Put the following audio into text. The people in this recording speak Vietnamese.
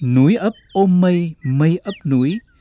núi ấp ôm mây mây ấp núi